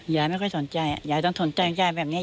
ยายไม่ค่อยสนใจยายต้องสนใจยายแบบนี้